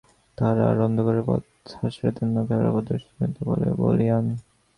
তাঁহারা আর অন্ধকারে পথ হাতড়ান না, তাঁহারা প্রত্যক্ষদর্শনজনিত বলে বলীয়ান্।